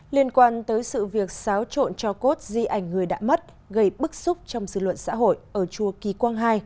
liên quan tới sự việc xáo trộn cho cốt di ảnh người đã mất gây bức xúc trong dư luận xã hội ở chùa kỳ quang hai